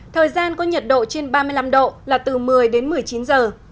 thời gian có nhiệt độ trên ba mươi năm độ là từ một mươi đến một mươi chín giờ